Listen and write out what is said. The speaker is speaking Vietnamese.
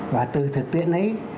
và từ thực tiễn ấy